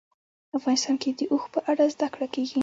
افغانستان کې د اوښ په اړه زده کړه کېږي.